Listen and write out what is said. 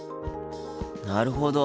なるほど。